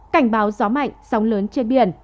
cảnh báo gió mạnh sóng lớn trên biển